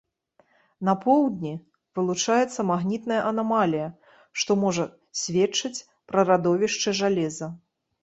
На поўдні вылучаецца магнітная анамалія, што можа сведчыць пра радовішчы жалеза.